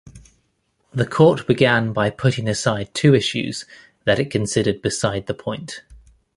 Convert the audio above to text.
The Court began by putting aside two issues that it considered beside the point.